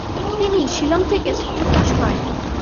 তিনি শিলং থেকে স্কুল পাশ করেন।